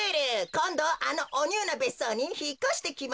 こんどあのおニューなべっそうにひっこしてきました。